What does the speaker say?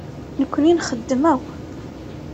Nekkni nxeddem akk.